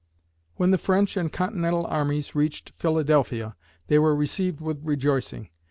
When the French and Continental armies reached Philadelphia, they were received with rejoicing.